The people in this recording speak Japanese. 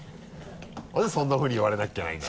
なんでそんなふうに言われなきゃいけないんだ。